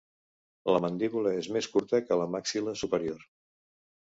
La mandíbula és més curta que la maxil·la superior.